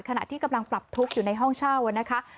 ขณะที่กำลังปรับทุกข์อยู่ในห้องเช่านะคะ